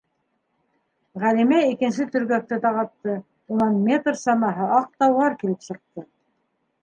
- Ғәлимә икенсе төргәкте тағатты, унан метр самаһы аҡ тауар килеп сыҡты.